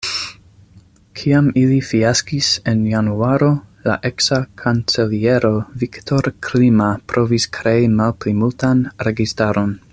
Kiam ili fiaskis en januaro, la eksa kanceliero Viktor Klima provis krei malplimultan registaron.